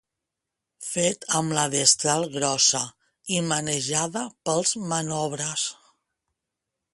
Fet amb la destral grossa i manejada pels manobres.